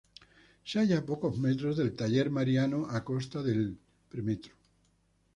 Se halla a pocos metros del taller Mariano Acosta del Premetro.